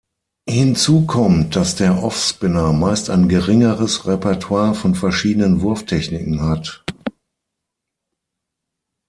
Hinzu kommt, dass der "Off Spinner" meist ein geringeres Repertoire von verschiedenen Wurftechniken hat.